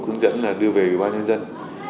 hướng dẫn là đưa về ủy ban nhân dân